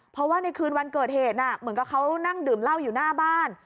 เพราะว่าในคืนวันเกิดเหตุเหมือนกับเขานั่งดื่มเหล้าอยู่หน้าบ้าน